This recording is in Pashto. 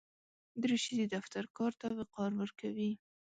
دریشي د دفتر کار ته وقار ورکوي.